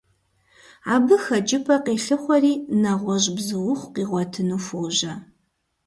Абы хэкӀыпӀэ къелъыхъуэри нэгъуэщӀ бзуухъу къигъуэтыну хуожьэ.